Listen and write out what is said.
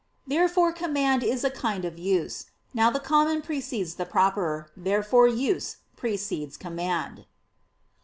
Therefore command is a kind of use. Now the common precedes the proper. Therefore use precedes command.